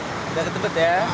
udah tepat ya